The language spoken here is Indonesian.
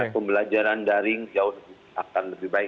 pembelajaran daring jauh lebih jauh akan lebih baik